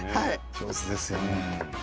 上手ですよね。